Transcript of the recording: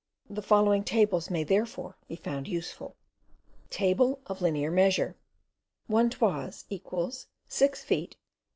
The following tables may, therefore, be found useful. TABLE OF LINEAR MEASURE. 1 toise = 6 feet 4.